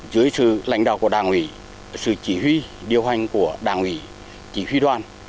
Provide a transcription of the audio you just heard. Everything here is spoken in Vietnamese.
dưới sự lãnh đạo của đảng ủy sự chỉ huy điều hành của đảng ủy chỉ huy đoàn